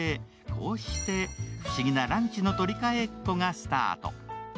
こうして、不思議なランチの取り替えっこがスタート。